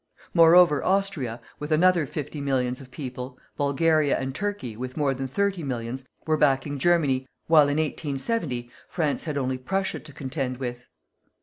Moreover Austria, with another fifty millions of people, Bulgaria and Turkey, with more than thirty millions, were backing Germany, whilst, in 1870, France had only Prussia to contend with.